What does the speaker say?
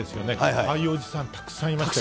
ああいうおじさん、たくさんいましたよ。